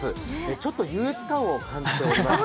ちょっと優越感を感じております。